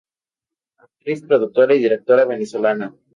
Actriz, productora y directora venezolana.